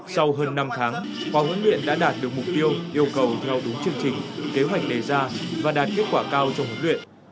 sau hơn năm tháng khóa huấn luyện đã đạt được mục tiêu yêu cầu theo đúng chương trình kế hoạch đề ra và đạt kết quả cao trong huấn luyện